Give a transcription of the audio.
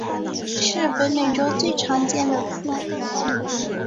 是北美洲最常见的兔。